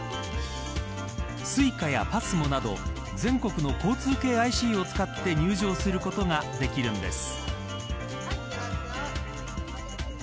ＳｕｉｃａやＰＡＳＭＯなど全国の交通系ＩＣを使って入場することができるんです。